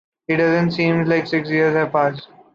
It doesn’t seem like six years have passed.